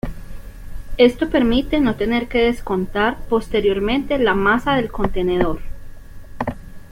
Esto permite no tener que descontar posteriormente la masa del contenedor.